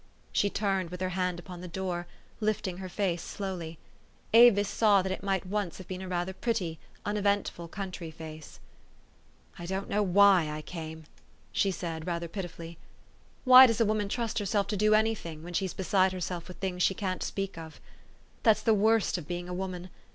She turned, with her hand upon the door, lifting her face slowty. Avis saw that it might once have been rather a pretty, uneventful country face. "I ion't know why I came," she said rather 300 THE STORY OF AVIS. pitifully. " Why does a woman trust herself to do anything, when she's beside herself with things she can't speak of? That's the worst of being a woman.